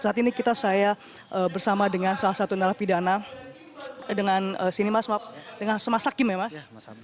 saat ini kita bersama dengan salah satu narapidana dengan mas hakim ya mas